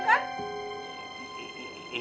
lu juga kepancing kan